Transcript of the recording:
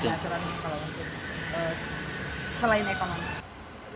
tidak ada aturan kalau untuk selain ekonomi